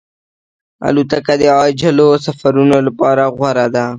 الوتکه د عاجلو سفرونو لپاره غوره ده.